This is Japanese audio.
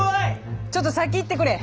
ちよっと先いってくれ！